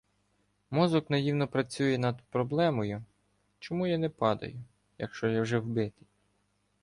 Мозок наївно працює над "проблемою” — чому я не падаю, якщо я вже вбитий?.